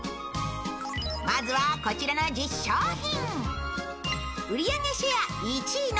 まずは、こちらの１０商品。